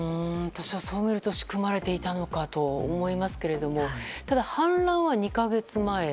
そうなると仕組まれていたのかと思いますけどもただ、反乱は２か月前。